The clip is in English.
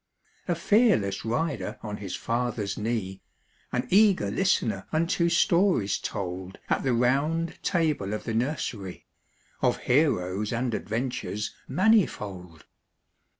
A fearless rider on his father's knee, An eager listener unto stories told At the Round Table of the nursery, Of heroes and adventures manifold.